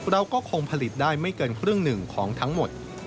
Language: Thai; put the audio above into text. เราก็คงผลิตได้ไม่เกินครึ่งหนึ่งของทั้งหมด